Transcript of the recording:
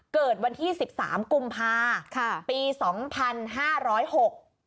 เกิดวันที่สิบสามกุมภาค่ะปีสองพันห้าร้อยหก